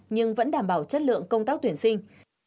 nhưng vẫn đảm bảo chất lượng công tác tuyển sinh